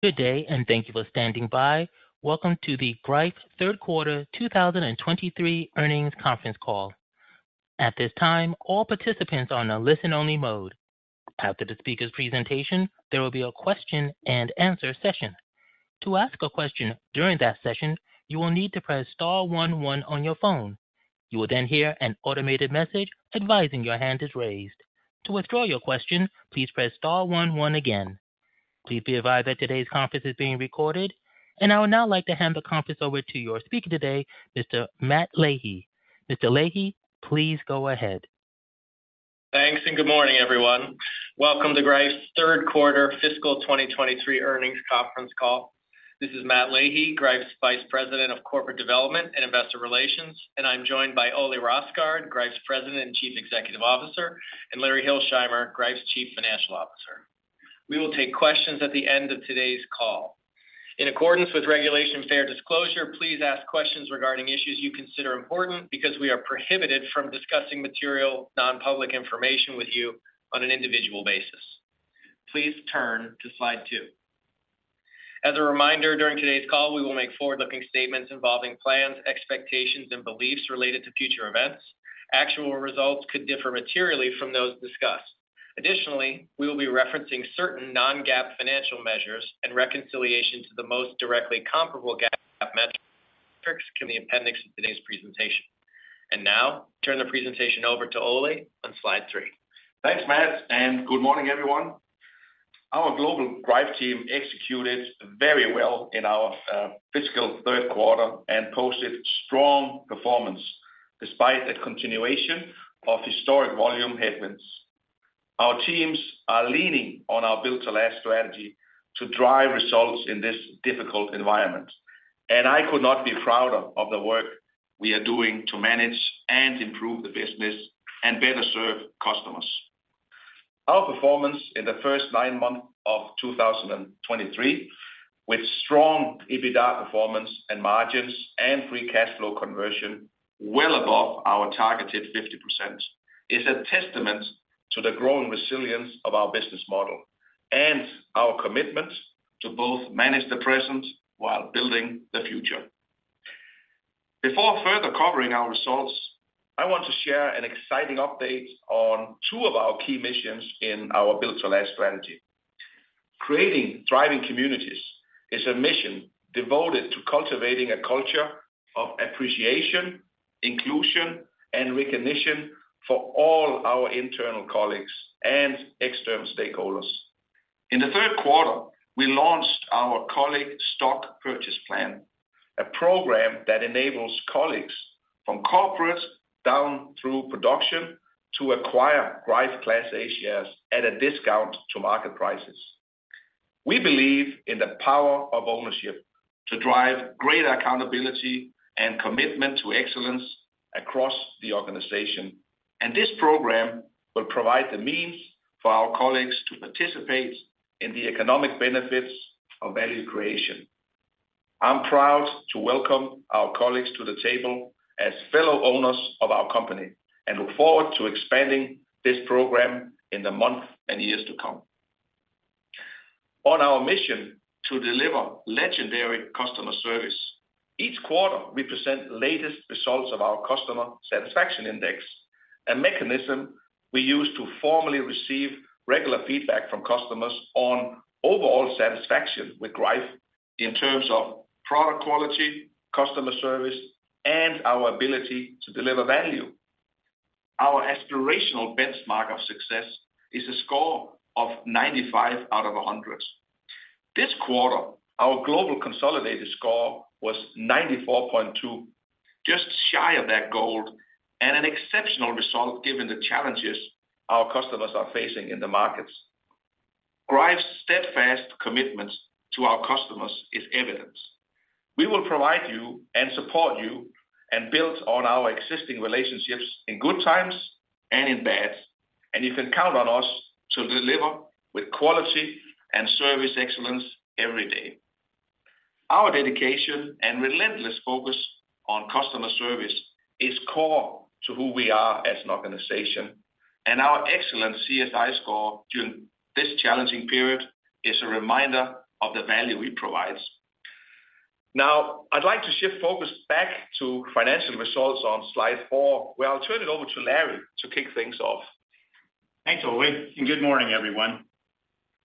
Good day, and thank you for standing by. Welcome to the Greif Third Quarter 2023 Earnings Conference Call. At this time, all participants are on a listen-only mode. After the speaker's presentation, there will be a question-and-answer session. To ask a question during that session, you will need to press star one one on your phone. You will then hear an automated message advising your hand is raised. To withdraw your question, please press star one one again. Please be advised that today's conference is being recorded. I would now like to hand the conference over to your speaker today, Mr. Matt Leahy. Mr. Leahy, please go ahead. Thanks, and good morning, everyone. Welcome to Greif's third quarter fiscal 2023 earnings conference call. This is Matt Leahy, Greif's Vice President of Corporate Development and Investor Relations, and I'm joined by Ole Rosgaard, Greif's President and Chief Executive Officer, and Larry Hilsheimer, Greif's Chief Financial Officer. We will take questions at the end of today's call. In accordance with Regulation Fair Disclosure, please ask questions regarding issues you consider important because we are prohibited from discussing material, non-public information with you on an individual basis. Please turn to slide two. As a reminder, during today's call, we will make forward-looking statements involving plans, expectations, and beliefs related to future events. Actual results could differ materially from those discussed. Additionally, we will be referencing certain non-GAAP financial measures and reconciliation to the most directly comparable GAAP measures in the appendix of today's presentation. Now, turn the presentation over to Ole on slide three. Thanks, Matt, and good morning, everyone. Our global Greif team executed very well in our fiscal third quarter and posted strong performance despite the continuation of historic volume headwinds. Our teams are leaning on our Build to Last strategy to drive results in this difficult environment, and I could not be prouder of the work we are doing to manage and improve the business and better serve customers. Our performance in the first nine months of 2023, with strong EBITDA performance and margins and free cash flow conversion well above our targeted 50%, is a testament to the growing resilience of our business model and our commitment to both manage the present while building the future. Before further covering our results, I want to share an exciting update on two of our key missions in our Build to Last strategy. Creating thriving communities is a mission devoted to cultivating a culture of appreciation, inclusion, and recognition for all our internal colleagues and external stakeholders. In the third quarter, we launched our Colleague Stock Purchase Plan, a program that enables colleagues from corporate down through production to acquire Greif Class A Shares at a discount to market prices. We believe in the power of ownership to drive greater accountability and commitment to excellence across the organization, and this program will provide the means for our colleagues to participate in the economic benefits of value creation. I'm proud to welcome our colleagues to the table as fellow owners of our company and look forward to expanding this program in the months and years to come. On our mission to deliver legendary customer service, each quarter, we present the latest results of our Customer Satisfaction Index, a mechanism we use to formally receive regular feedback from customers on overall satisfaction with Greif in terms of product quality, customer service, and our ability to deliver value. Our aspirational benchmark of success is a score of 95 out of 100. This quarter, our global consolidated score was 94.2, just shy of that goal and an exceptional result given the challenges our customers are facing in the markets. Greif's steadfast commitment to our customers is evident. We will provide you and support you and build on our existing relationships in good times and in bad, and you can count on us to deliver with quality and service excellence every day. Our dedication and relentless focus on customer service is core to who we are as an organization, and our excellent CSI score during this challenging period is a reminder of the value it provides. Now, I'd like to shift focus back to financial results on slide four, where I'll turn it over to Larry to kick things off. Thanks, Ole, and good morning, everyone.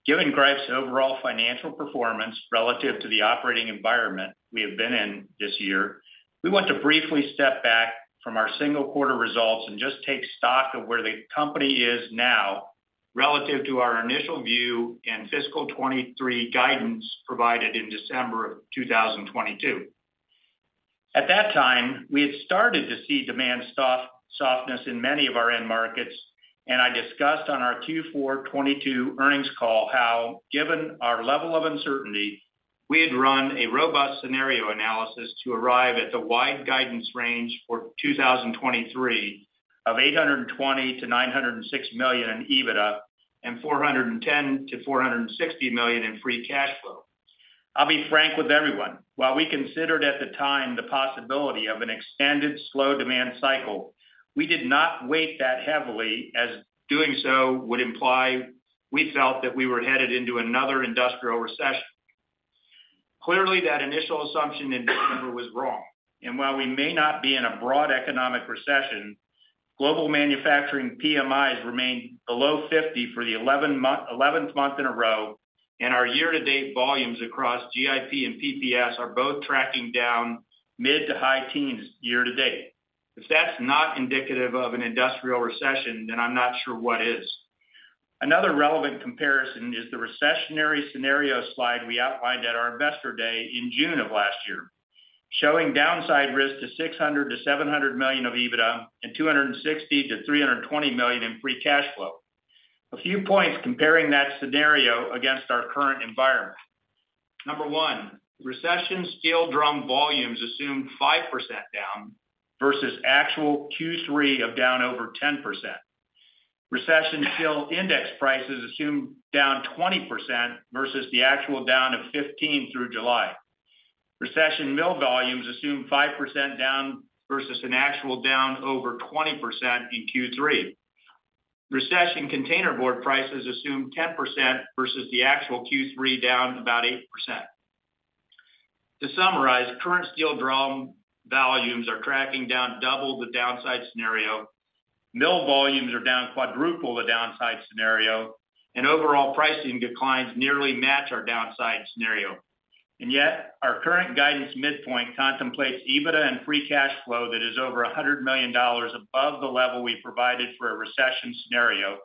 Given Greif's overall financial performance relative to the operating environment we have been in this year, we want to briefly step back from our single quarter results and just take stock of where the company is now relative to our initial view and fiscal 2023 guidance provided in December of 2022. At that time, we had started to see demand softness in many of our end markets, and I discussed on our Q4 2022 earnings call how, given our level of uncertainty, we had run a robust scenario analysis to arrive at the wide guidance range for 2023 of $820 million-$906 million in EBITDA and $410 million-$460 million in free cash flow. I'll be frank with everyone. While we considered at the time the possibility of an extended slow demand cycle, we did not weigh that heavily, as doing so would imply we felt that we were headed into another industrial recession.... Clearly, that initial assumption in December was wrong. And while we may not be in a broad economic recession, global manufacturing PMIs remained below 50 for the eleventh month in a row, and our year-to-date volumes across GIP and PPS are both tracking down mid- to high-teens year-to-date. If that's not indicative of an industrial recession, then I'm not sure what is. Another relevant comparison is the recessionary scenario slide we outlined at our Investor Day in June of last year, showing downside risk to $600 million-$700 million of EBITDA and $260 million-$320 million in free cash flow. A few points comparing that scenario against our current environment. Number one, recession steel drum volumes assumed 5% down versus actual Q3 of down over 10%. Recession steel index prices assumed down 20% versus the actual down of 15% through July. Recession mill volumes assumed 5% down versus an actual down over 20% in Q3. Recession containerboard prices assumed 10% versus the actual Q3 down about 8%. To summarize, current steel drum volumes are tracking down double the downside scenario, mill volumes are down quadruple the downside scenario, and overall pricing declines nearly match our downside scenario. And yet, our current guidance midpoint contemplates EBITDA and free cash flow that is over $100 million above the level we provided for a recession scenario,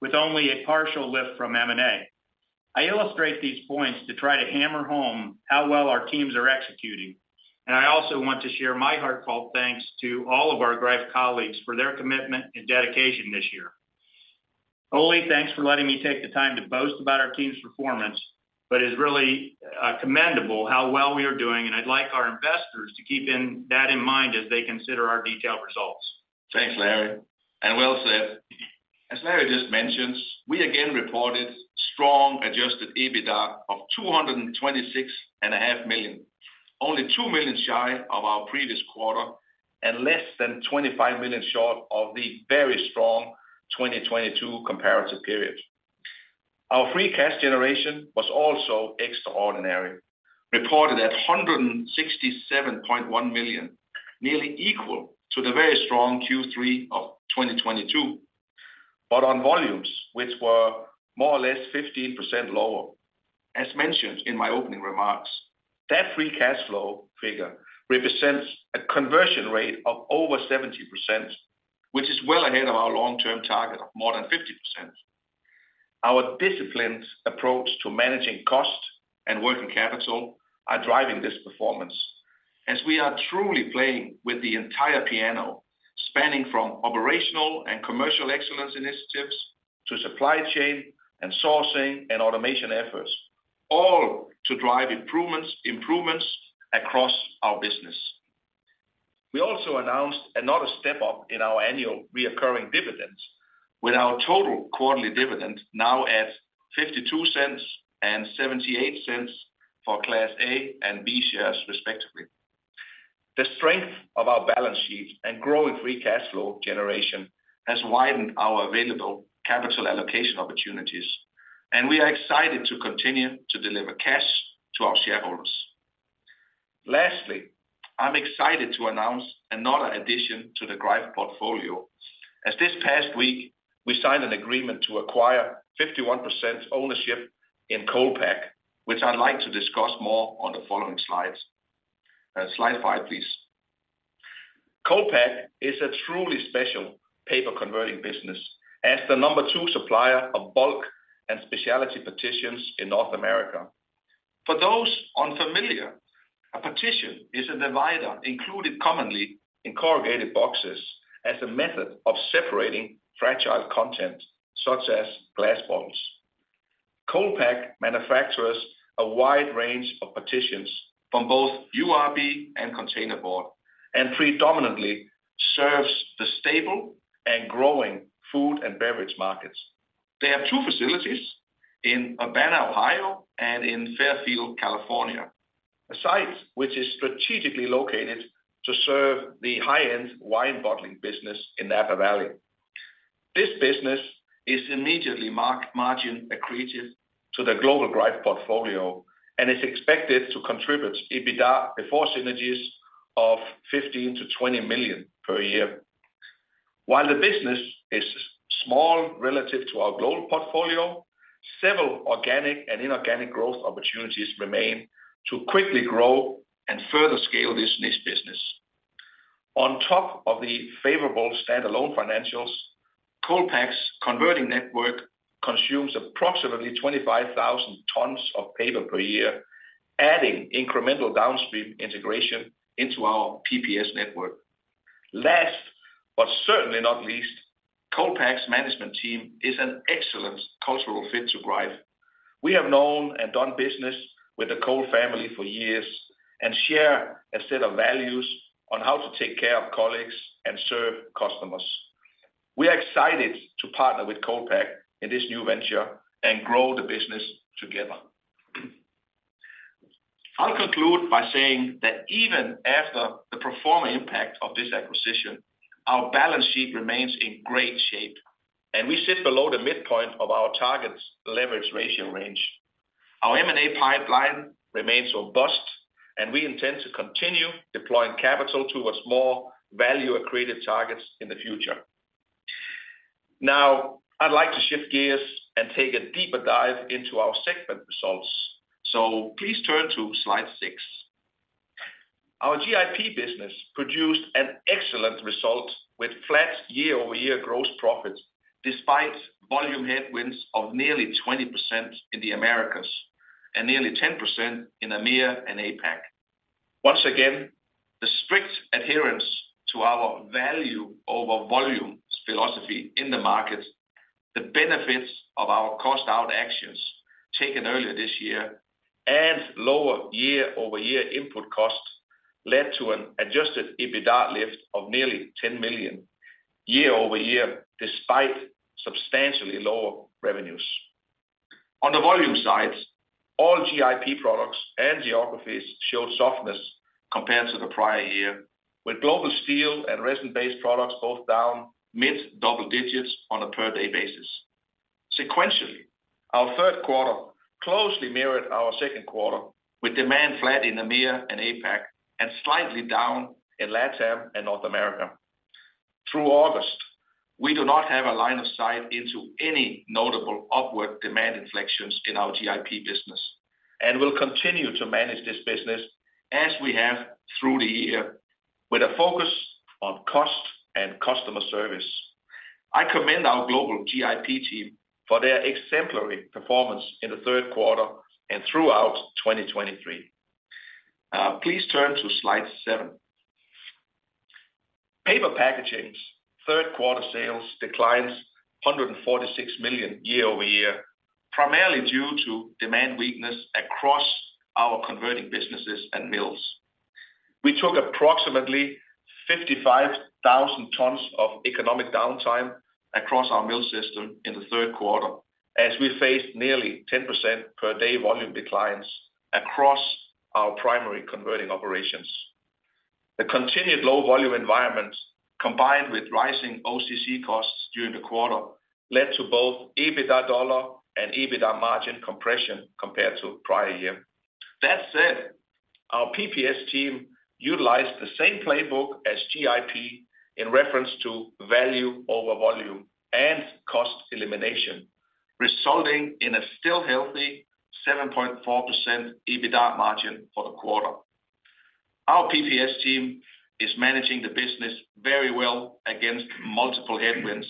with only a partial lift from M&A. I illustrate these points to try to hammer home how well our teams are executing, and I also want to share my heartfelt thanks to all of our great colleagues for their commitment and dedication this year. Ole, thanks for letting me take the time to boast about our team's performance, but it's really, commendable how well we are doing, and I'd like our investors to keep in mind that in mind as they consider our detailed results. Thanks, Larry, and well said. As Larry just mentioned, we again reported strong adjusted EBITDA of $226.5 million, only $2 million shy of our previous quarter and less than $25 million short of the very strong 2022 comparative period. Our free cash generation was also extraordinary, reported at $167.1 million, nearly equal to the very strong Q3 of 2022, but on volumes which were more or less 15% lower. As mentioned in my opening remarks, that free cash flow figure represents a conversion rate of over 70%, which is well ahead of our long-term target of more than 50%. Our disciplined approach to managing cost and working capital are driving this performance, as we are truly playing with the entire piano, spanning from operational and commercial excellence initiatives to supply chain and sourcing and automation efforts, all to drive improvements, improvements across our business. We also announced another step up in our annual recurring dividends, with our total quarterly dividend now at $0.52 and $0.78 for Class A and B shares, respectively. The strength of our balance sheet and growing free cash flow generation has widened our available capital allocation opportunities, and we are excited to continue to deliver cash to our shareholders. Lastly, I'm excited to announce another addition to the Greif portfolio. As this past week, we signed an agreement to acquire 51% ownership in ColePak, which I'd like to discuss more on the following slides. Slide five, please. ColePak is a truly special paper-converting business as the number two supplier of bulk and specialty partitions in North America. For those unfamiliar, a partition is a divider included commonly in corrugated boxes as a method of separating fragile content, such as glass bottles. ColePak manufactures a wide range of partitions from both URB and containerboard, and predominantly serves the stable and growing food and beverage markets. They have two facilities in Urbana, Ohio, and in Fairfield, California, a site which is strategically located to serve the high-end wine bottling business in Napa Valley. This business is immediately margin accretive to the global Greif portfolio and is expected to contribute EBITDA before synergies of $15 million-$20 million per year. While the business is small relative to our global portfolio, several organic and inorganic growth opportunities remain to quickly grow and further scale this niche business. On top of the favorable standalone financials, ColePak's converting network consumes approximately 25,000 tons of paper per year, adding incremental downstream integration into our PPS network. Last, but certainly not least, ColePak's management team is an excellent cultural fit to Greif. We have known and done business with the Cole family for years and share a set of values on how to take care of colleagues and serve customers. We are excited to partner with ColePak in this new venture and grow the business together. I'll conclude by saying that even after the pro forma impact of this acquisition, our balance sheet remains in great shape... and we sit below the midpoint of our target's leverage ratio range. Our M&A pipeline remains robust, and we intend to continue deploying capital towards more value-accretive targets in the future. Now, I'd like to shift gears and take a deeper dive into our segment results. Please turn to slide six. Our GIP business produced an excellent result with flat year-over-year gross profit, despite volume headwinds of nearly 20% in the Americas and nearly 10% in EMEA and APAC. Once again, the strict adherence to our value over volume philosophy in the market, the benefits of our cost out actions taken earlier this year, and lower year-over-year input costs led to an adjusted EBITDA lift of nearly $10 million year-over-year, despite substantially lower revenues. On the volume side, all GIP products and geographies showed softness compared to the prior year, with global steel and resin-based products both down mid-double digits on a per day basis. Sequentially, our third quarter closely mirrored our second quarter, with demand flat in EMEA and APAC, and slightly down in LATAM and North America. Through August, we do not have a line of sight into any notable upward demand inflections in our GIP business, and we'll continue to manage this business as we have through the year with a focus on cost and customer service. I commend our global GIP team for their exemplary performance in the third quarter and throughout 2023. Please turn to slide seven. Paper packaging's third quarter sales declined $146 million year-over-year, primarily due to demand weakness across our converting businesses and mills. We took approximately 55,000 tons of economic downtime across our mill system in the third quarter, as we faced nearly 10% per day volume declines across our primary converting operations. The continued low volume environment, combined with rising OCC costs during the quarter, led to both EBITDA dollar and EBITDA margin compression compared to prior year. That said, our PPS team utilized the same playbook as GIP in reference to value over volume and cost elimination, resulting in a still healthy 7.4% EBITDA margin for the quarter. Our PPS team is managing the business very well against multiple headwinds,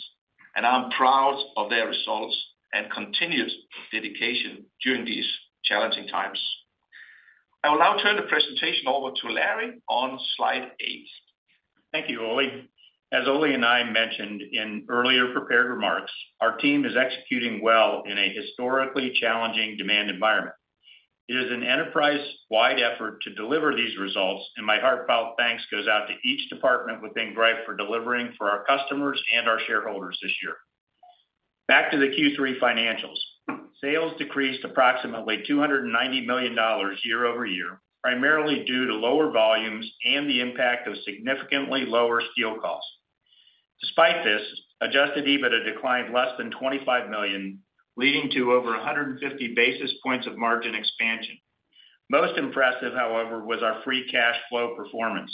and I'm proud of their results and continued dedication during these challenging times. I will now turn the presentation over to Larry on slide eight. Thank you, Ole. As Ole and I mentioned in earlier prepared remarks, our team is executing well in a historically challenging demand environment. It is an enterprise-wide effort to deliver these results, and my heartfelt thanks goes out to each department within Greif for delivering for our customers and our shareholders this year. Back to the Q3 financials. Sales decreased approximately $290 million year-over-year, primarily due to lower volumes and the impact of significantly lower steel costs. Despite this, adjusted EBITDA declined less than $25 million, leading to over 150 basis points of margin expansion. Most impressive, however, was our free cash flow performance.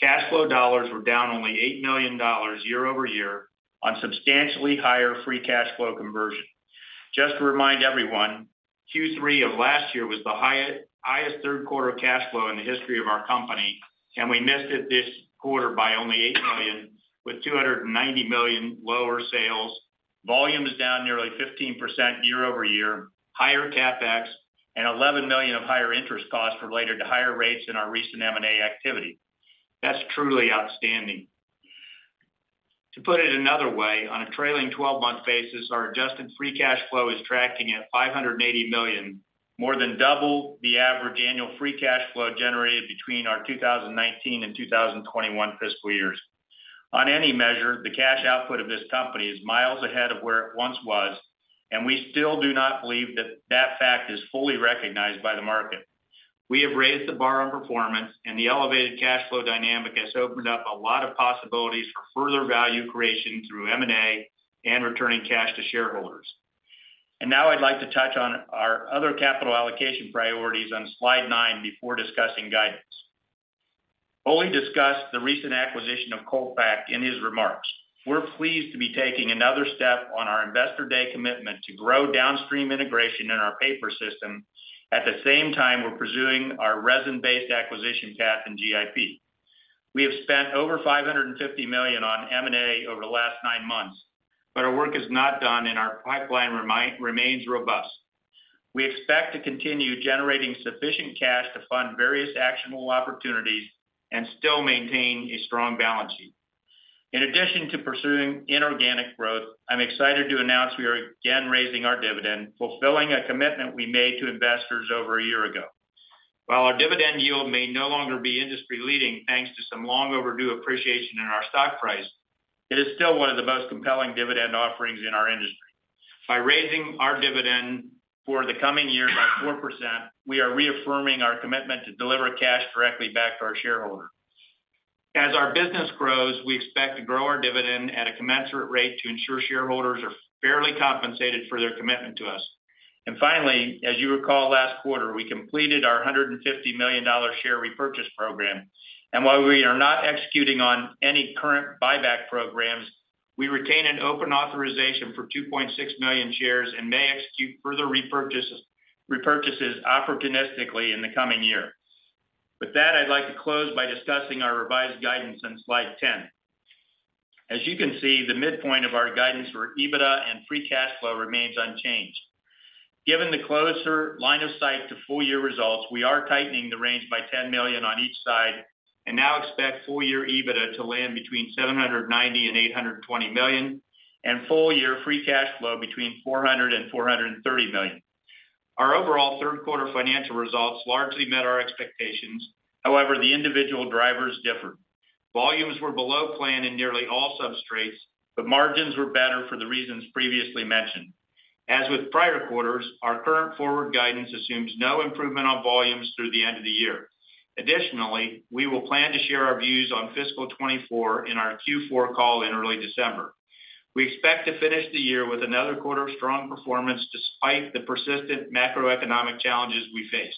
Cash flow dollars were down only $8 million year-over-year on substantially higher free cash flow conversion. Just to remind everyone, Q3 of last year was the highest, highest third quarter cash flow in the history of our company, and we missed it this quarter by only $8 million, with $290 million lower sales, volumes down nearly 15% year-over-year, higher CapEx, and $11 million of higher interest costs related to higher rates in our recent M&A activity. That's truly outstanding. To put it another way, on a trailing 12 month basis, our adjusted free cash flow is tracking at $580 million, more than double the average annual free cash flow generated between our 2019 and 2021 fiscal years. On any measure, the cash output of this company is miles ahead of where it once was, and we still do not believe that that fact is fully recognized by the market. We have raised the bar on performance, and the elevated cash flow dynamic has opened up a lot of possibilities for further value creation through M&A and returning cash to shareholders. Now I'd like to touch on our other capital allocation priorities on slide nine before discussing guidance. Ole discussed the recent acquisition of ColePak in his remarks. We're pleased to be taking another step on our Investor Day commitment to grow downstream integration in our paper system. At the same time, we're pursuing our resin-based acquisition path in GIP. We have spent over $550 million on M&A over the last nine months, but our work is not done and our pipeline remains robust. We expect to continue generating sufficient cash to fund various actionable opportunities and still maintain a strong balance sheet. In addition to pursuing inorganic growth, I'm excited to announce we are again raising our dividend, fulfilling a commitment we made to investors over a year ago. While our dividend yield may no longer be industry-leading, thanks to some long overdue appreciation in our stock price, it is still one of the most compelling dividend offerings in our industry. By raising our dividend for the coming year by 4%, we are reaffirming our commitment to deliver cash directly back to our shareholders. As our business grows, we expect to grow our dividend at a commensurate rate to ensure shareholders are fairly compensated for their commitment to us. And finally, as you recall, last quarter, we completed our $150 million share repurchase program. While we are not executing on any current buyback programs, we retain an open authorization for 2.6 million shares and may execute further repurchases, repurchases opportunistically in the coming year. With that, I'd like to close by discussing our revised guidance on slide 10. As you can see, the midpoint of our guidance for EBITDA and free cash flow remains unchanged. Given the closer line of sight to full year results, we are tightening the range by $10 million on each side and now expect full year EBITDA to land between $790 million and $820 million, and full year free cash flow between $400 million and $430 million. Our overall third quarter financial results largely met our expectations. However, the individual drivers differ. Volumes were below plan in nearly all substrates, but margins were better for the reasons previously mentioned. As with prior quarters, our current forward guidance assumes no improvement on volumes through the end of the year. Additionally, we will plan to share our views on fiscal 2024 in our Q4 call in early December. We expect to finish the year with another quarter of strong performance, despite the persistent macroeconomic challenges we face.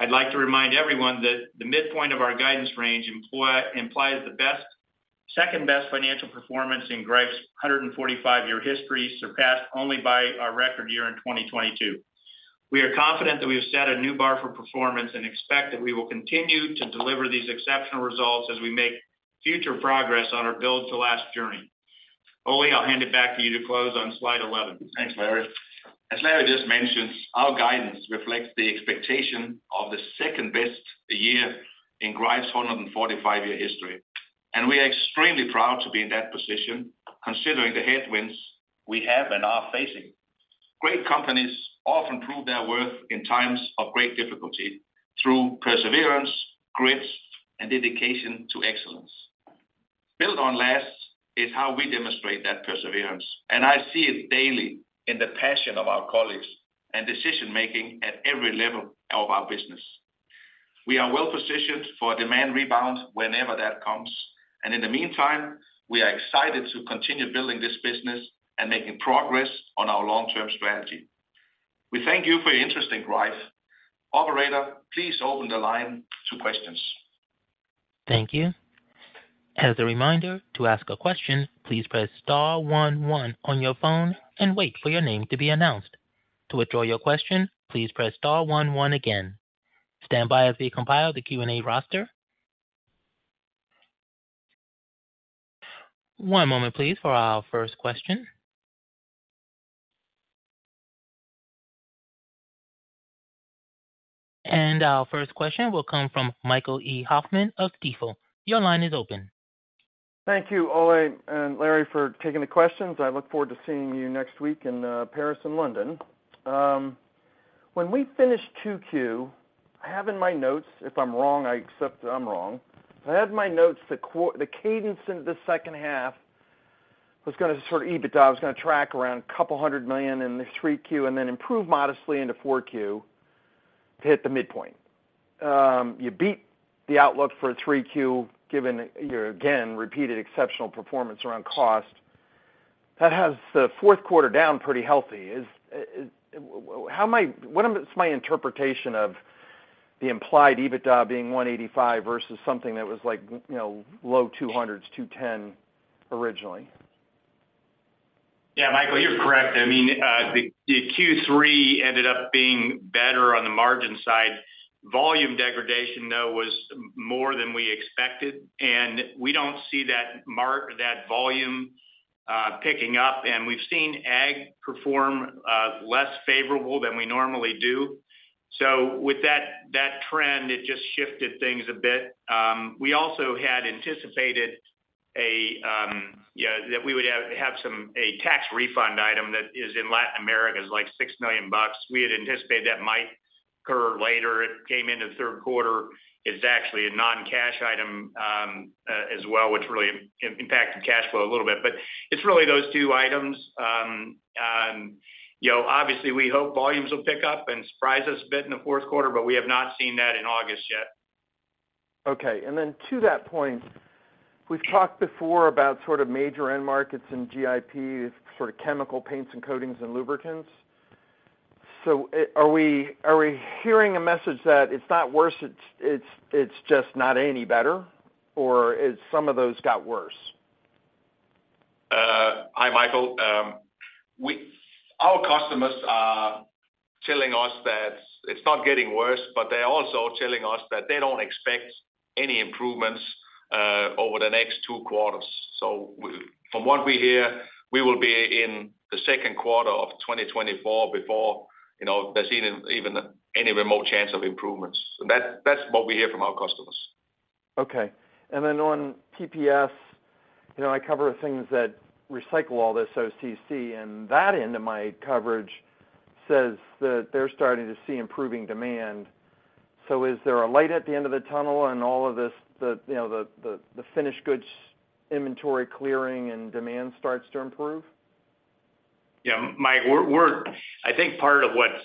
I'd like to remind everyone that the midpoint of our guidance range implies the best, second-best financial performance in Greif's 145-year history, surpassed only by our record year in 2022. We are confident that we've set a new bar for performance and expect that we will continue to deliver these exceptional results as we make future progress on our Build to Last journey. Ole, I'll hand it back to you to close on slide 11. Thanks, Larry. As Larry just mentioned, our guidance reflects the expectation of the second-best year in Greif's 445-year history, and we are extremely proud to be in that position, considering the headwinds we have and are facing. Great companies often prove their worth in times of great difficulty through perseverance, grit, and dedication to excellence. Build to Last is how we demonstrate that perseverance, and I see it daily in the passion of our colleagues and decision-making at every level of our business. We are well positioned for a demand rebound whenever that comes, and in the meantime, we are excited to continue building this business and making progress on our long-term strategy. We thank you for your interest in Greif. Operator, please open the line to questions. Thank you. As a reminder, to ask a question, please press star one, one on your phone and wait for your name to be announced. To withdraw your question, please press star one, one again. Stand by as we compile the Q&A roster. One moment, please, for our first question. And our first question will come from Michael E. Hoffman of Stifel. Your line is open. Thank you, Ole and Larry, for taking the questions. I look forward to seeing you next week in Paris and London. When we finished 2Q, I have in my notes, if I'm wrong, I accept that I'm wrong. I had in my notes the cadence in the second half was gonna sort of, EBITDA was gonna track around $200 million in 3Q and then improve modestly into 4Q to hit the midpoint. You beat the outlook for 3Q, given your, again, repeated exceptional performance around cost. That has the fourth quarter down pretty healthy. How am I, what is my interpretation of the implied EBITDA being $185 versus something that was like, you know, low $200s, $210 originally? Yeah, Michael, you're correct. I mean, the Q3 ended up being better on the margin side. Volume degradation, though, was more than we expected, and we don't see that volume picking up, and we've seen ag perform less favorable than we normally do. So with that, that trend, it just shifted things a bit. We also had anticipated that we would have some-- a tax refund item that is in Latin America, is like $6 million. We had anticipated that might occur later. It came into the third quarter. It's actually a non-cash item, as well, which really impacted cash flow a little bit, but it's really those two items. And, you know, obviously, we hope volumes will pick up and surprise us a bit in the fourth quarter, but we have not seen that in August yet. Okay, and then to that point, we've talked before about sort of major end markets in GIP, sort of chemical paints and coatings and lubricants. So are we hearing a message that it's not worse, it's just not any better, or is some of those got worse? Hi, Michael. Our customers are telling us that it's not getting worse, but they're also telling us that they don't expect any improvements over the next two quarters. So from what we hear, we will be in the second quarter of 2024 before, you know, they're seeing even any remote chance of improvements. So that's, that's what we hear from our customers. Okay. And then on TPS, you know, I cover things that recycle all this OCC, and that end of my coverage says that they're starting to see improving demand. So is there a light at the end of the tunnel and all of this, you know, the finished goods inventory clearing and demand starts to improve?... Yeah, Mike, we're, I think part of what's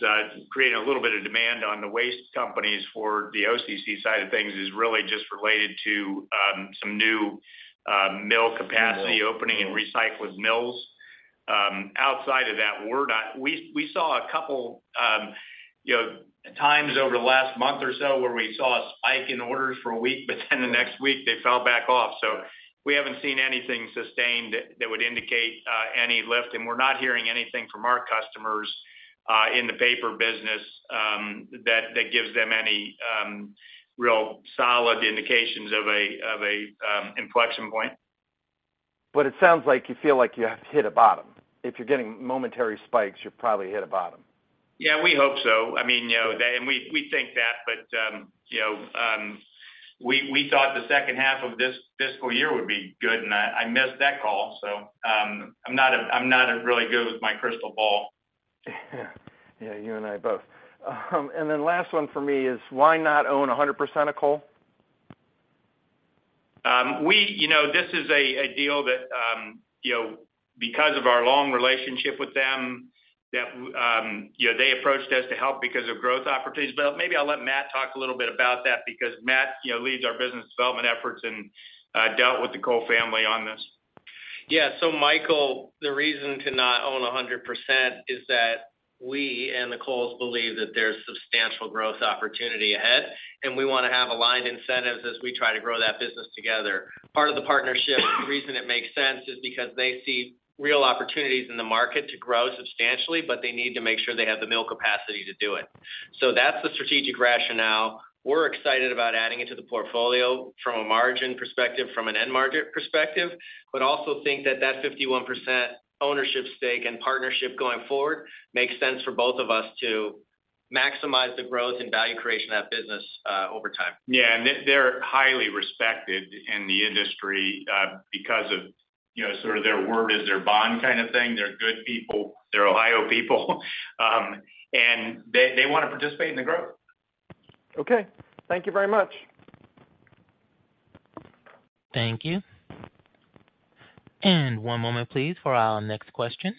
creating a little bit of demand on the waste companies for the OCC side of things is really just related to some new mill capacity opening and recycling mills. Outside of that, we're not, we saw a couple, you know, times over the last month or so where we saw a spike in orders for a week, but then the next week they fell back off. So we haven't seen anything sustained that would indicate any lift, and we're not hearing anything from our customers in the paper business that gives them any real solid indications of an inflection point. But it sounds like you feel like you have hit a bottom. If you're getting momentary spikes, you've probably hit a bottom. Yeah, we hope so. I mean, you know, and we think that, but you know, we thought the second half of this fiscal year would be good, and I missed that call, so I'm not really good with my crystal ball. Yeah, you and I both. Then last one for me is, why not own 100% of Cole? We, you know, this is a deal that, you know, because of our long relationship with them, that, you know, they approached us to help because of growth opportunities. But maybe I'll let Matt talk a little bit about that because Matt, you know, leads our business development efforts and dealt with the Cole family on this. Yeah. So Michael, the reason to not own 100% is that we and the Coles believe that there's substantial growth opportunity ahead, and we want to have aligned incentives as we try to grow that business together. Part of the partnership, the reason it makes sense, is because they see real opportunities in the market to grow substantially, but they need to make sure they have the mill capacity to do it. So that's the strategic rationale. We're excited about adding it to the portfolio from a margin perspective, from an end market perspective, but also think that that 51% ownership stake and partnership going forward makes sense for both of us to maximize the growth and value creation of that business over time. Yeah, and they're highly respected in the industry, because of, you know, sort of their word is their bond kind of thing. They're good people, they're Ohio people, and they wanna participate in the growth. Okay. Thank you very much. Thank you. One moment, please, for our next question.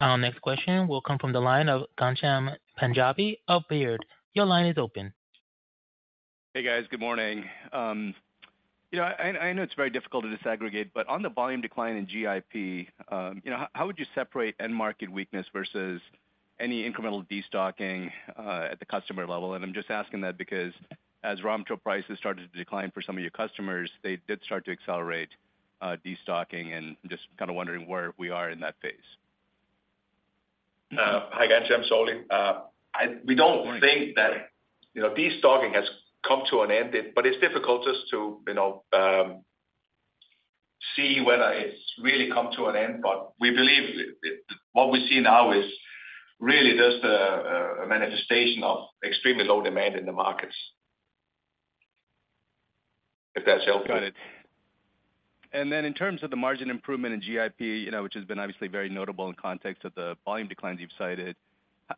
Our next question will come from the line of Ghansham Panjabi of Baird. Your line is open. Hey, guys, good morning. You know, I know it's very difficult to disaggregate, but on the volume decline in GIP, you know, how would you separate end market weakness versus any incremental destocking at the customer level? And I'm just asking that because as raw material prices started to decline for some of your customers, they did start to accelerate destocking, and just kind of wondering where we are in that phase? Hi, Ghansham, it's Ole. We don't think that, you know, destocking has come to an end, but it's difficult just to, you know, see whether it's really come to an end. But we believe what we see now is really just a manifestation of extremely low demand in the markets. If that's helpful? Got it. And then in terms of the margin improvement in GIP, you know, which has been obviously very notable in context of the volume declines you've cited,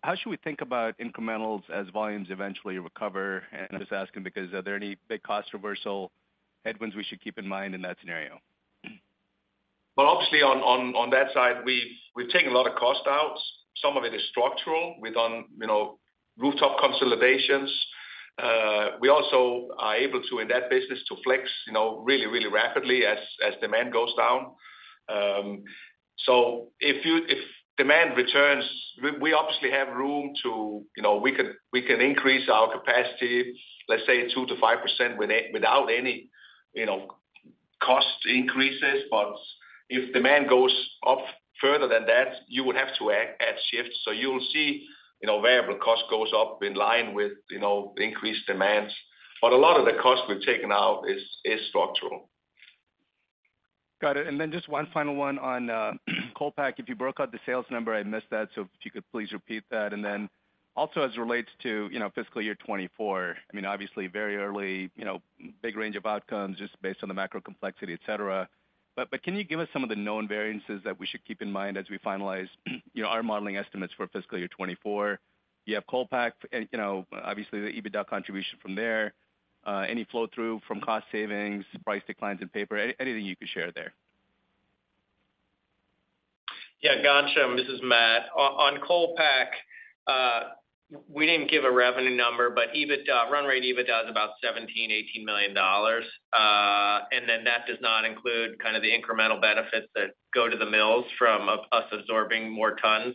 how should we think about incrementals as volumes eventually recover? And I'm just asking because are there any big cost reversal headwinds we should keep in mind in that scenario? Well, obviously on that side, we've taken a lot of cost outs. Some of it is structural. We've done, you know, rooftop consolidations. We also are able to, in that business, to flex, you know, really rapidly as demand goes down. So if demand returns, we obviously have room to, you know, we can increase our capacity, let's say 2%-5% without any, you know, cost increases. But if demand goes up further than that, you would have to add shifts. So you'll see, you know, variable cost goes up in line with, you know, increased demands. But a lot of the costs we've taken out is structural. Got it. And then just one final one on ColePak. If you broke out the sales number, I missed that, so if you could please repeat that. And then also as it relates to, you know, fiscal year 2024, I mean, obviously very early, you know, big range of outcomes just based on the macro complexity, et cetera. But can you give us some of the known variances that we should keep in mind as we finalize, you know, our modeling estimates for fiscal year 2024? You have ColePak and, you know, obviously, the EBITDA contribution from there, any flow-through from cost savings, price declines in paper, any, anything you could share there? Yeah, Ghansham, this is Matt. On ColePak, we didn't give a revenue number, but EBITDA, run rate EBITDA is about $17 million-$18 million. And then that does not include kind of the incremental benefits that go to the mills from us absorbing more tons.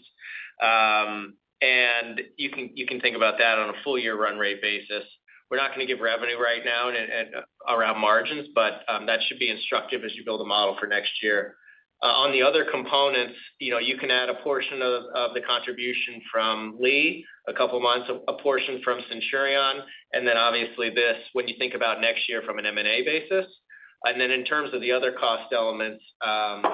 And you can think about that on a full year run rate basis. We're not going to give revenue right now and around margins, but that should be instructive as you build a model for next year. On the other components, you know, you can add a portion of the contribution from Lee, a couple of months, a portion from Centurion, and then obviously this, when you think about next year from an M&A basis. And then, in terms of the other cost elements, I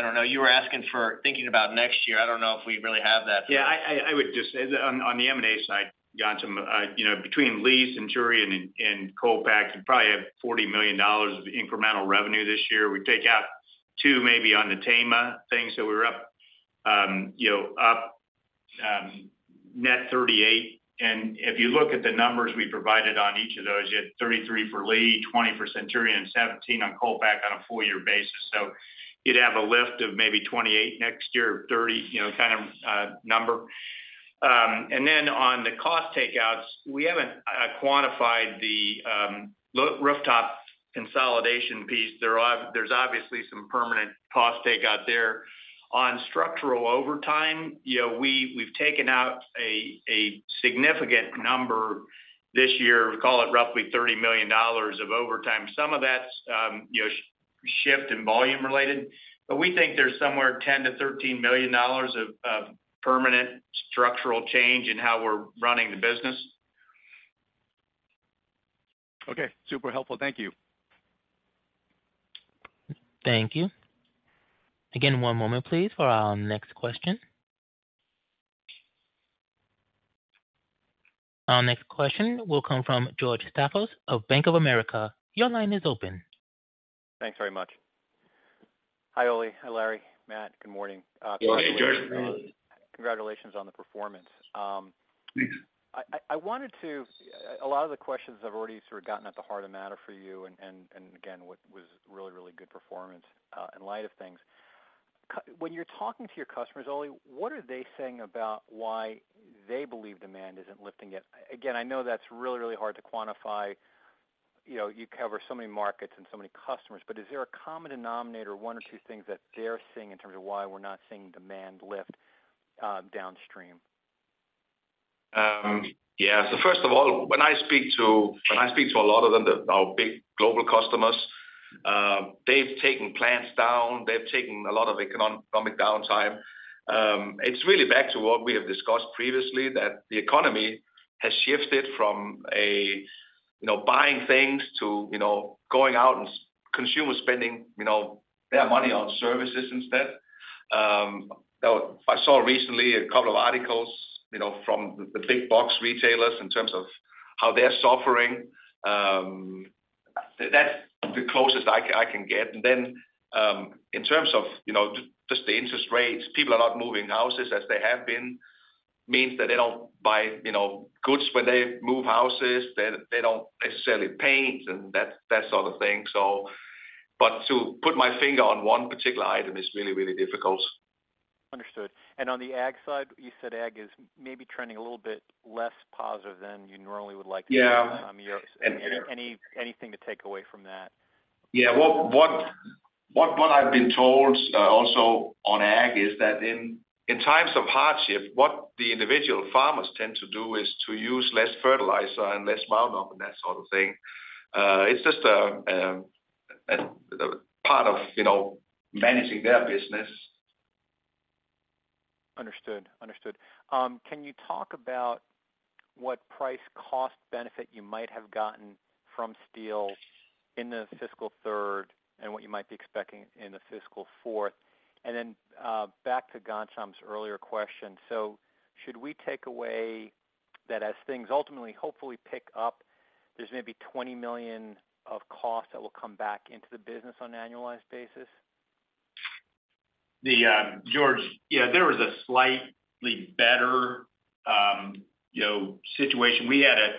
don't know. You were asking for thinking about next year. I don't know if we really have that. Yeah, I would just say on the M&A side, Ghansham, you know, between Lee, Centurion and ColePak, you probably have $40 million of incremental revenue this year. We take out $2 million, maybe on the Tama thing, so we're up, you know, up net $38 million, and if you look at the numbers we provided on each of those, you had $33 million for Lee, $20 million for Centurion, and $17 million on ColePak on a full year basis. So you'd have a lift of maybe $28 million next year, or $30 million, you know, kind of number. And then on the cost takeouts, we haven't quantified the rooftop consolidation piece. There's obviously some permanent cost takeout there. On structural overtime, you know, we, we've taken out a significant number this year. We call it roughly $30 million of overtime. Some of that's, you know, shift in volume related, but we think there's somewhere $10 million-$13 million of permanent structural change in how we're running the business. Okay. Super helpful. Thank you. Thank you. Again, one moment please, for our next question. Our next question will come from George Staphos of Bank of America. Your line is open. Thanks very much. Hi, Ole. Hi, Larry, Matt. Good morning. Hey, George. Congratulations on the performance. Thanks. I wanted to—a lot of the questions have already sort of gotten at the heart of the matter for you, and again, what was really, really good performance in light of things. When you're talking to your customers, Ole, what are they saying about why they believe demand isn't lifting yet? Again, I know that's really, really hard to quantify. You know, you cover so many markets and so many customers, but is there a common denominator, one or two things that they're seeing in terms of why we're not seeing demand lift downstream? Yeah. So first of all, when I speak to a lot of them, our big global customers, they've taken plants down, they've taken a lot of economic downtime. It's really back to what we have discussed previously, that the economy has shifted from a, you know, buying things to, you know, going out and consumer spending, you know, their money on services instead. So I saw recently a couple of articles, you know, from the big box retailers in terms of how they're suffering. That's the closest I can get. And then, in terms of, you know, just the interest rates, people are not moving houses as they have been. Means that they don't buy, you know, goods when they move houses, then they don't necessarily paint and that sort of thing. To put my finger on one particular item is really, really difficult. Understood. On the ag side, you said ag is maybe trending a little bit less positive than you normally would like to see. Yeah. Anything to take away from that? Yeah. What I've been told, also on ag, is that in times of hardship, what the individual farmers tend to do is to use less fertilizer and less manure and that sort of thing. It's just a part of, you know, managing their business. Understood. Understood. Can you talk about what price cost benefit you might have gotten from steel in the fiscal third and what you might be expecting in the fiscal fourth? And then, back to Ghansham's earlier question: so should we take away that as things ultimately, hopefully pick up, there's maybe $20 million of costs that will come back into the business on an annualized basis? George, yeah, there was a slightly better, you know, situation. We had a,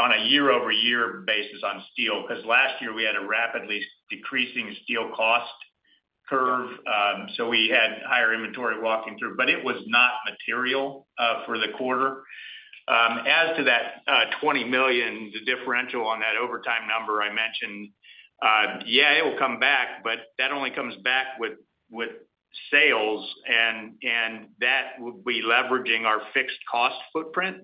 on a year-over-year basis on steel, because last year we had a rapidly decreasing steel cost curve, so we had higher inventory walking through, but it was not material for the quarter. As to that $20 million, the differential on that overtime number I mentioned, yeah, it will come back, but that only comes back with, with sales and, and that would be leveraging our fixed cost footprint.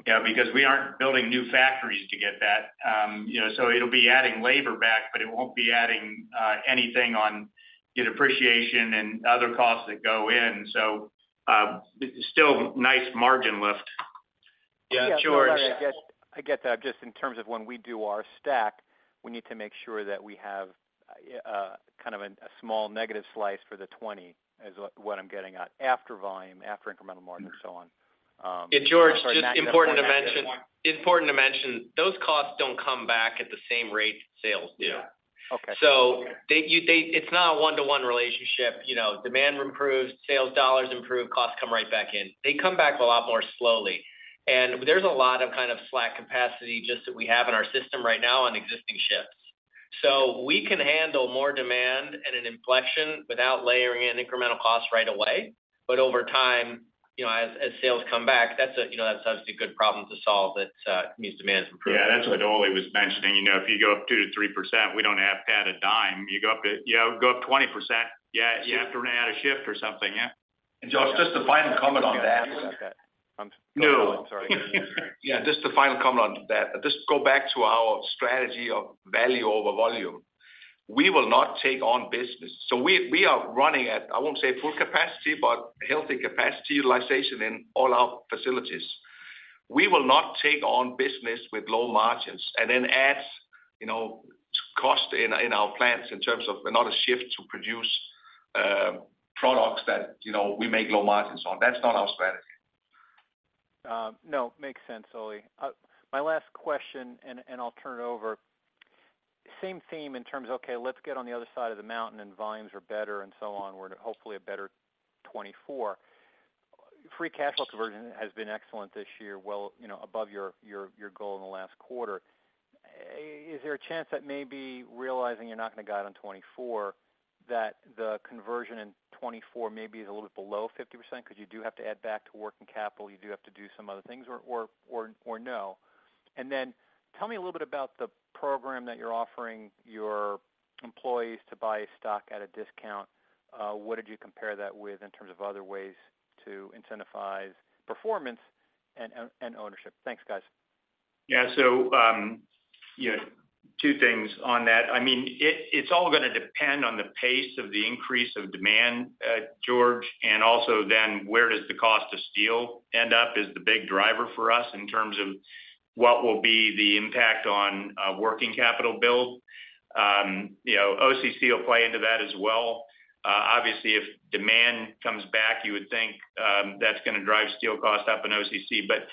Okay. Because we aren't building new factories to get that. You know, so it'll be adding labor back, but it won't be adding anything on depreciation and other costs that go in. So, still nice margin lift. Yeah, George- I get, I get that. Just in terms of when we do our stack, we need to make sure that we have kind of a small negative slice for the 20, is what, what I'm getting at. After volume, after incremental margin and so on. Yeah, George, just important to mention. It's important to mention, those costs don't come back at the same rate sales do. Yeah. Okay. So it's not a one-to-one relationship. You know, demand improves, sales dollars improve, costs come right back in. They come back a lot more slowly, and there's a lot of kind of slack capacity just that we have in our system right now on existing shifts. So we can handle more demand and an inflection without layering in incremental costs right away. But over time, you know, as, as sales come back, that's a, you know, that's obviously a good problem to solve that means demand is improved. Yeah, that's what Ole was mentioning. You know, if you go up 2%-3%, we don't have to add a dime. You go up to, you know, go up 20%, yeah, you have to run out a shift or something, yeah. George, just a final comment on that. Okay. No, Sorry. Yeah, just a final comment on that. Just go back to our strategy of value over volume. We will not take on business. So we are running at, I won't say full capacity, but healthy capacity utilization in all our facilities. We will not take on business with low margins and then add, you know, cost in our plants in terms of another shift to produce products that, you know, we make low margins on. That's not our strategy. ... No, makes sense, Ole. My last question, and I'll turn it over. Same theme in terms, okay, let's get on the other side of the mountain, and volumes are better and so on, we're hopefully a better 2024. Free cash flow conversion has been excellent this year, well, you know, above your goal in the last quarter. Is there a chance that maybe realizing you're not going to get out on 2024, that the conversion in 2024 maybe is a little bit below 50%, because you do have to add back to working capital, you do have to do some other things, or no? And then tell me a little bit about the program that you're offering your employees to buy stock at a discount. What did you compare that with in terms of other ways to incentivize performance and ownership? Thanks, guys. Yeah. So, you know, two things on that. I mean, it, it's all gonna depend on the pace of the increase of demand, George, and also then where does the cost of steel end up is the big driver for us in terms of what will be the impact on, working capital build. You know, OCC will play into that as well. Obviously, if demand comes back, you would think, that's gonna drive steel costs up in OCC. But,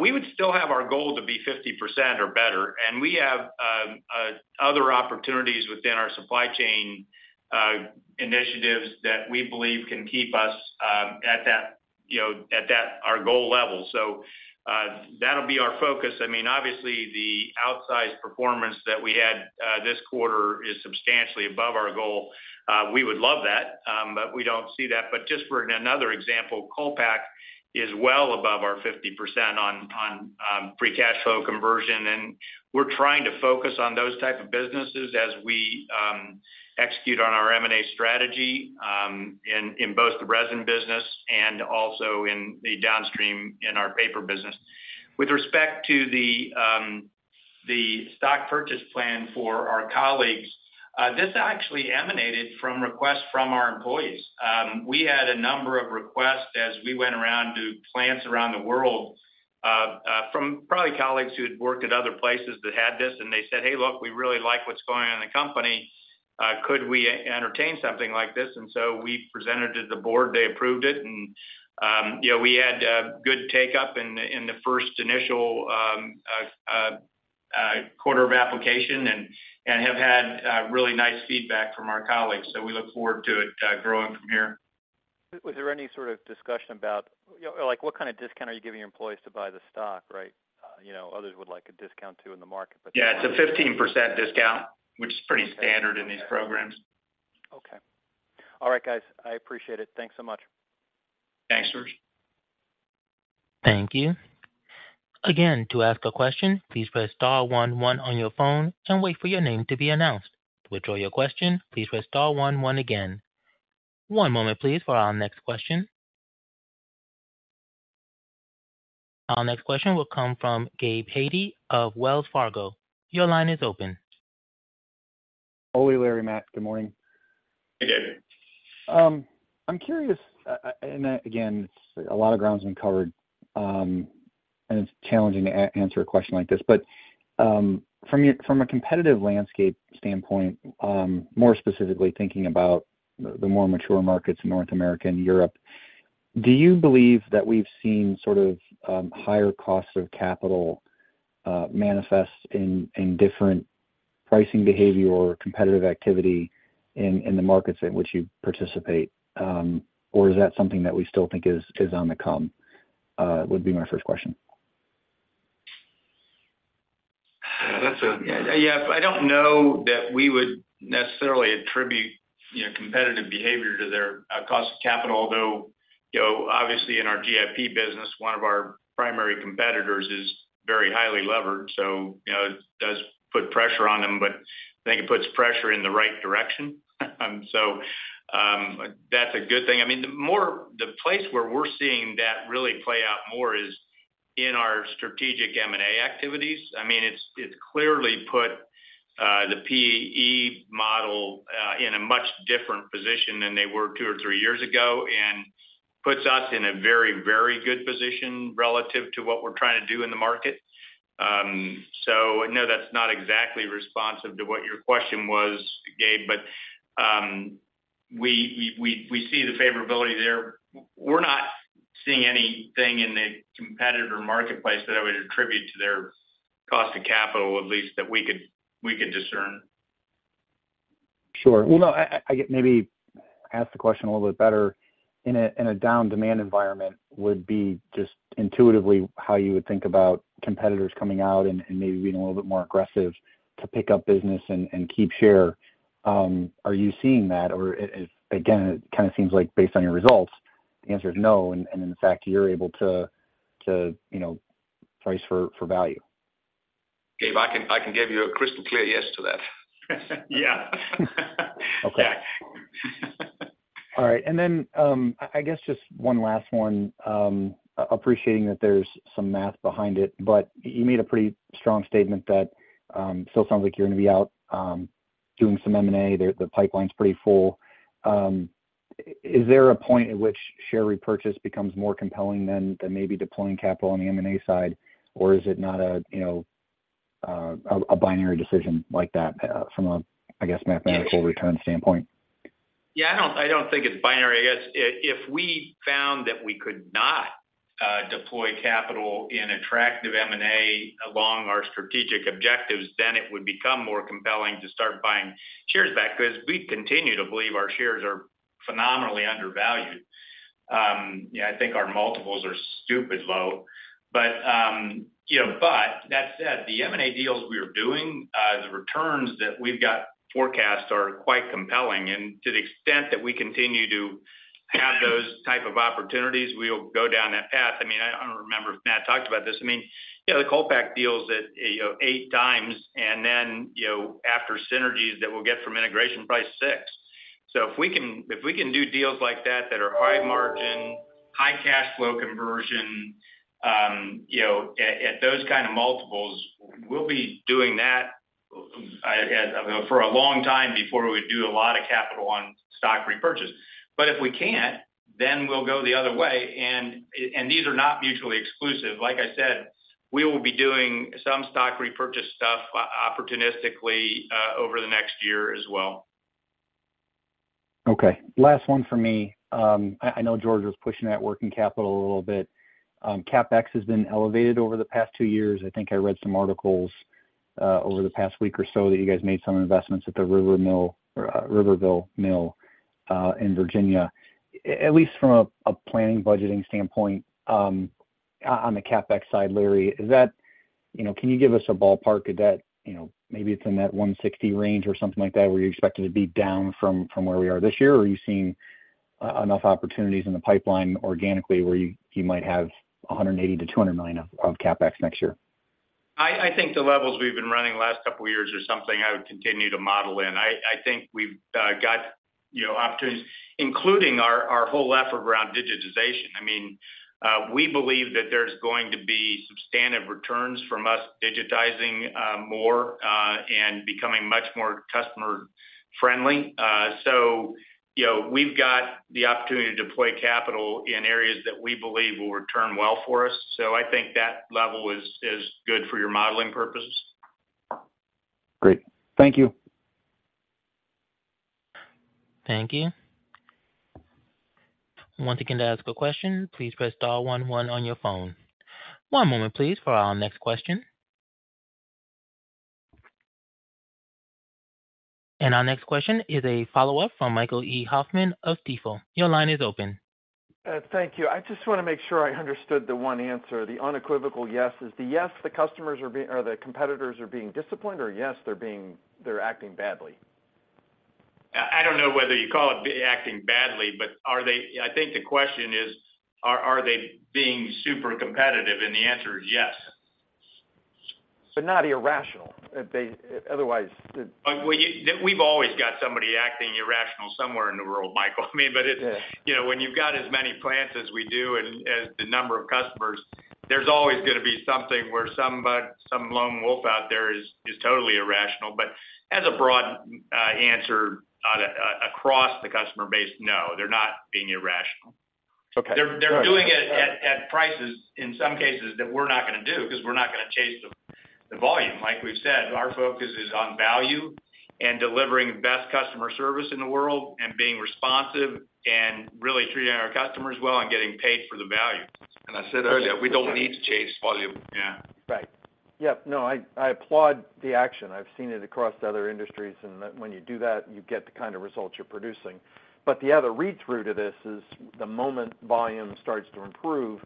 we would still have our goal to be 50% or better, and we have, other opportunities within our supply chain, initiatives that we believe can keep us, at that, you know, at that, our goal level. So, that'll be our focus. I mean, obviously, the outsized performance that we had, this quarter is substantially above our goal. We would love that, but we don't see that. But just for another example, ColePak is well above our 50% on free cash flow conversion, and we're trying to focus on those types of businesses as we execute on our M&A strategy in both the resin business and also in the downstream in our paper business. With respect to the stock purchase plan for our colleagues, this actually emanated from requests from our employees. We had a number of requests as we went around to plants around the world from probably colleagues who had worked at other places that had this, and they said, "Hey, look, we really like what's going on in the company. Could we entertain something like this?" And so we presented to the board, they approved it, and, you know, we had good take-up in the first initial quarter of application and have had really nice feedback from our colleagues. So we look forward to it growing from here. Was there any sort of discussion about, you know, like, what kind of discount are you giving your employees to buy the stock, right? You know, others would like a discount, too, in the market, but- Yeah, it's a 15% discount, which is pretty standard in these programs. Okay. All right, guys, I appreciate it. Thanks so much. Thanks, George. Thank you. Again, to ask a question, please press star one, one on your phone and wait for your name to be announced. To withdraw your question, please press star one, one again. One moment, please, for our next question. Our next question will come from Gabe Hajde of Wells Fargo. Your line is open. Ole, Larry, Matt, good morning. Hey, Gabe. I'm curious, and again, a lot of ground has been covered, and it's challenging to answer a question like this, but, from a competitive landscape standpoint, more specifically thinking about the more mature markets in North America and Europe, do you believe that we've seen sort of higher costs of capital manifest in different pricing behavior or competitive activity in the markets in which you participate? Or is that something that we still think is on the come? Would be my first question. Yeah, I don't know that we would necessarily attribute, you know, competitive behavior to their cost of capital, although, you know, obviously in our GIP business, one of our primary competitors is very highly levered, so, you know, it does put pressure on them, but I think it puts pressure in the right direction. So, that's a good thing. I mean, the place where we're seeing that really play out more is in our strategic M&A activities. I mean, it's clearly put the PE model in a much different position than they were two or three years ago, and puts us in a very, very good position relative to what we're trying to do in the market. So I know that's not exactly responsive to what your question was, Gabe, but we see the favorability there. We're not seeing anything in the competitor marketplace that I would attribute to their cost of capital, at least that we could discern. Sure. Well, no, I get maybe ask the question a little bit better. In a down demand environment, would be just intuitively how you would think about competitors coming out and maybe being a little bit more aggressive to pick up business and keep share. Are you seeing that? Or again, it kind of seems like based on your results, the answer is no, and in fact, you're able to, you know, price for value. Gabe, I can give you a crystal clear yes to that. Yeah. Okay. Yeah. All right. And then, I guess just one last one. Appreciating that there's some math behind it, but you made a pretty strong statement that still sounds like you're going to be out doing some M&A. The pipeline's pretty full. Is there a point at which share repurchase becomes more compelling than maybe deploying capital on the M&A side? Or is it not a, you know, a binary decision like that from a, I guess, mathematical return standpoint?... Yeah, I don't think it's binary. I guess if we found that we could not deploy capital in attractive M&A along our strategic objectives, then it would become more compelling to start buying shares back, because we continue to believe our shares are phenomenally undervalued. Yeah, I think our multiples are stupid low. But you know, but that said, the M&A deals we are doing, the returns that we've got forecast are quite compelling, and to the extent that we continue to have those types of opportunities, we'll go down that path. I mean, I don't remember if Matt talked about this. I mean, you know, the ColePak deals at eight times, and then, you know, after synergies that we'll get from integration, probably six. So if we can, if we can do deals like that, that are high margin, high cash flow conversion, you know, at, at those kind of multiples, we'll be doing that, you know, for a long time before we do a lot of capital on stock repurchase. But if we can't, then we'll go the other way, and, and these are not mutually exclusive. Like I said, we will be doing some stock repurchase stuff opportunistically, over the next year as well. Okay, last one for me. I know George was pushing that working capital a little bit. CapEx has been elevated over the past two years. I think I read some articles over the past week or so that you guys made some investments at the River Mill, or, Riverville Mill, in Virginia. At least from a planning budgeting standpoint, on the CapEx side, Larry, is that... You know, can you give us a ballpark? Is that, you know, maybe it's in that $160 million range or something like that, where you're expecting to be down from where we are this year? Or are you seeing enough opportunities in the pipeline organically, where you might have $180 million-$200 million of CapEx next year? I think the levels we've been running the last couple of years are something I would continue to model in. I think we've got, you know, opportunities, including our whole effort around digitization. I mean, we believe that there's going to be substantive returns from us digitizing more and becoming much more customer friendly. So, you know, we've got the opportunity to deploy capital in areas that we believe will return well for us. So I think that level is good for your modeling purposes. Great. Thank you. Thank you. Once again, to ask a question, please press star one, one on your phone. One moment, please, for our next question. Our next question is a follow-up from Michael E. Hoffman of Stifel. Your line is open. Thank you. I just want to make sure I understood the one answer. The unequivocal yes, is the yes, the customers are being-- or the competitors are being disciplined, or yes, they're being-- they're acting badly? I don't know whether you call it behaving badly, but are they, I think the question is, are they being super competitive? And the answer is yes. But not irrational, if they, otherwise... Well, we've always got somebody acting irrational somewhere in the world, Michael. I mean, but it, you know, when you've got as many plants as we do and as the number of customers, there's always going to be something where somebody, some lone wolf out there is totally irrational. But as a broad answer, across the customer base, no, they're not being irrational. Okay. They're doing it at prices in some cases that we're not going to do, because we're not going to chase the volume. Like we've said, our focus is on value and delivering the best customer service in the world and being responsive and really treating our customers well and getting paid for the value. I said earlier, we don't need to chase volume. Yeah. Right. Yeah, no, I, I applaud the action. I've seen it across other industries, and when you do that, you get the kind of results you're producing. But the other read-through to this is the moment volume starts to improve,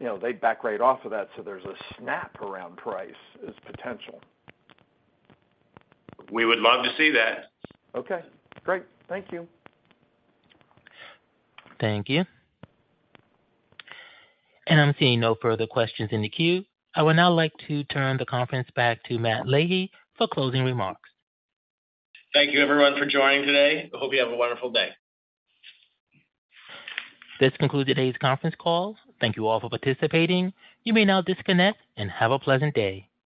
you know, they back right off of that, so there's a snap around price is potential. We would love to see that. Okay, great. Thank you. Thank you. I'm seeing no further questions in the queue. I would now like to turn the conference back to Matt Leahy for closing remarks. Thank you, everyone, for joining today. I hope you have a wonderful day. This concludes today's conference call. Thank you all for participating. You may now disconnect and have a pleasant day.